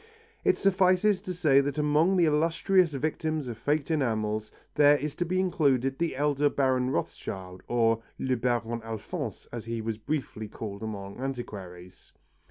It suffices to say that among the illustrious victims of faked enamels there is to be included the elder Baron Rothschild, or le Baron Alphonse as he was briefly called among antiquaries.